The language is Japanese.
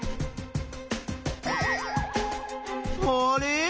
あれ？